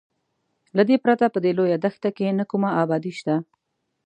له دې پرته په دې لویه دښته کې نه کومه ابادي شته.